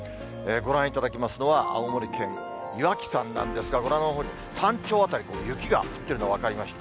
ご覧いただきますのは、青森県岩木山なんですが、ご覧のとおり、山頂辺りで雪が降ってるの分かります。